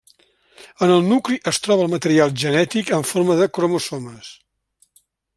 En el nucli es troba el material genètic en forma de cromosomes.